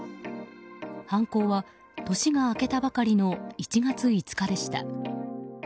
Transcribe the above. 犯行は年が明けたばかりの１月５日でした。